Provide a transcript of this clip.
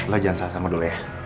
lo jangan salah sama dulu ya